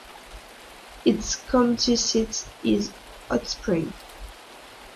Its county seat is Hot Springs.